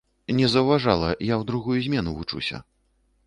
Не заўважала, я ў другую змену вучуся.